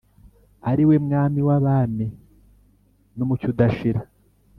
Ari we Mwami w'abami N'umucy' udashira.